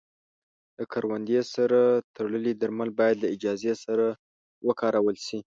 د کروندې سره تړلي درمل باید له اجازې سره وکارول شي.